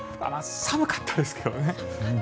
寒かったですけどね。